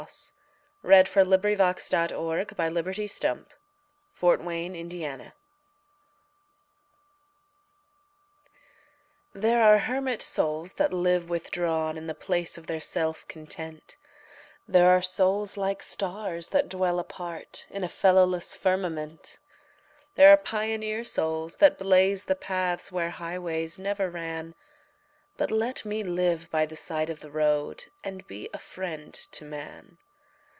O P . Q R . S T . U V . W X . Y Z The House by the Side of the Road THERE are hermit souls that live withdrawn In the place of their self content; There are souls like stars, that dwell apart, In a fellowless firmament; There are pioneer souls that blaze the paths Where highways never ran But let me live by the side of the road And be a friend to man.